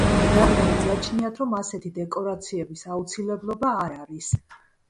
რადგან მიაჩნიათ რომ ასეთი დეკორაციების აუცილებლობა არ არის.